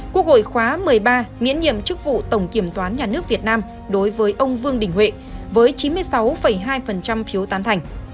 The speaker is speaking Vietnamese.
quốc hội khóa một mươi ba miễn nhiệm chức vụ tổng kiểm toán nhà nước việt nam đối với ông vương đình huệ với chín mươi sáu hai phiếu tán thành